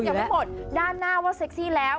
อย่างทั้งหมดหน้าหน้าว่าเซ็กซี่แล้ว